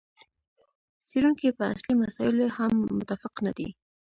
څېړونکي په اصلي مسایلو هم متفق نه دي.